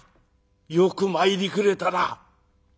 よく参りくれたな。